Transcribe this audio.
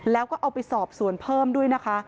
แล้วก็เอาไปสอบสวนเพิ่มด้วยนะคะ